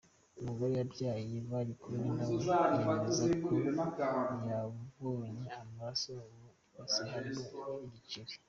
Umugore yabyaye bari kumwe nawe yemeza ko yabonye amaraso mu ibase harimo n’igikeri.